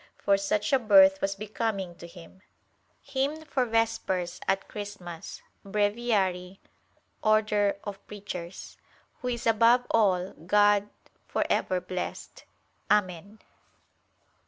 For "such a birth was becoming to Him," [*Hymn for Vespers at Christmas; Breviary, O. P.], WHO IS ABOVE ALL GOD FOR EVER BLESSED. Amen.